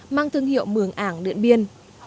mang tương hiệu mường ảng điện biên